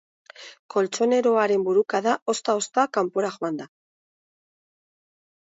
Koltxoneroaren burukada ozta-ozta kanpora joan da.